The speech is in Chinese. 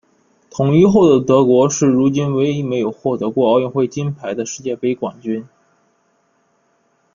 统一后的德国是如今唯一没有获得过奥运会金牌的世界杯冠军。